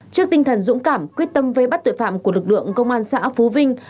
trước tinh thần dũng cảm quyết tâm vây bắt tội phạm của lực lượng công an xã phú vinh